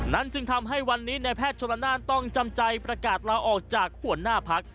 จึงทำให้วันนี้ในแพทย์ชนละนานต้องจำใจประกาศลาออกจากหัวหน้าพัก